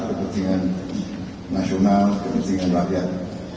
kepentingan nasional kepentingan rakyat